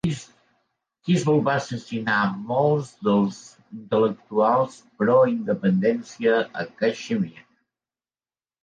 Hizbul va assassinar molts dels intel·lectuals pro independència a Caixmir.